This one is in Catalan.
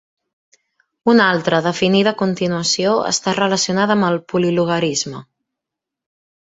Una altra, definida a continuació, està relacionada amb el polilogarisme.